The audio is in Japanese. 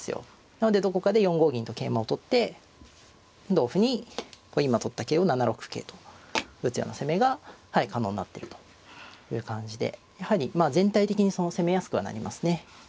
なのでどこかで４五銀と桂馬を取って同歩に今取った桂を７六桂と打つような攻めが可能になっているという感じでやはり全体的に攻めやすくはなりますね。